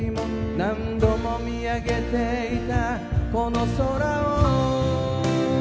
「何度も見上げていたこの空を」